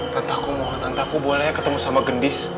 tantaku mohon tantaku boleh ketemu sama gendis